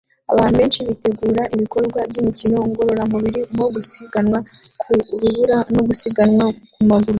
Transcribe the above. Abantu benshi bitegura ibikorwa byimikino ngororamubiri nko gusiganwa ku rubura no gusiganwa ku maguru